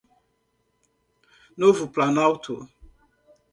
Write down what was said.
Novo Planalto